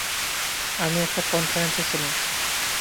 আমি একটা কনফারেন্সে ছিলাম।